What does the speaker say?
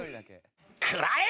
食らえ！